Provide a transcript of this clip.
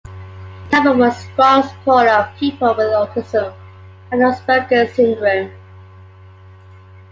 Khabra was a strong supporter of people with autism and Asperger syndrome.